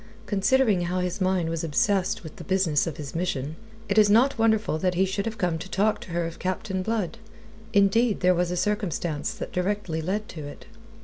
Considering how his mind was obsessed with the business of his mission, it is not wonderful that he should have come to talk to her of Captain Blood. Indeed, there was a circumstance that directly led to it.